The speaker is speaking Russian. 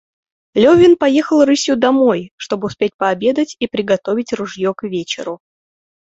Левин поехал рысью домой, чтоб успеть пообедать и приготовить ружье к вечеру.